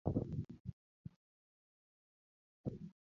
Nera kiny obi